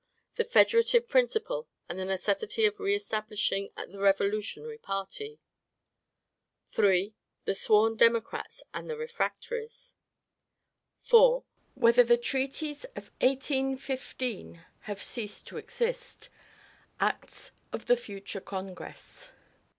"The Federative Principle and the Necessity of Re establishing the Revolutionary party;" 3. "The Sworn Democrats and the Refractories;" 4. "Whether the Treaties of 1815 have ceased to exist? Acts of the Future Congress."